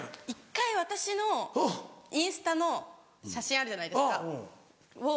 １回私のインスタの写真あるじゃないですかを。